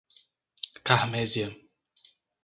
Carmésia